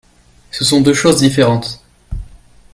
Ce sont deux choses différentes